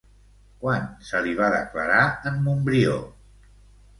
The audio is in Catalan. Quan se li va declarar en Montbrió?